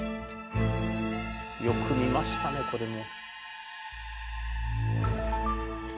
よく見ましたねこれも。